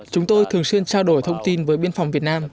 chúng tôi thường xuyên trao đổi thông tin với biên phòng việt nam